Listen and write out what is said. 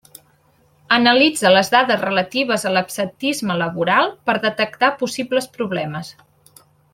Analitza les dades relatives a l'absentisme laboral per detectar possibles problemes.